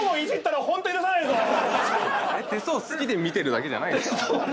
手相好きで見てるだけじゃないんですか？